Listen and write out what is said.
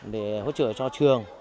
để hỗ trợ cho trường